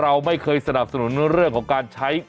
วันนี้จะเป็นวันนี้